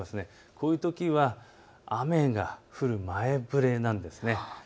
こういうときは雨が降る前触れなんです。